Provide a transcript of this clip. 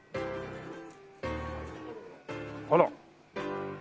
あら。